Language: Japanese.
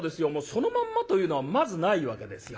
そのまんまというのはまずないわけですよ。